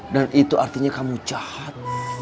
dan itu artinya kamu jahat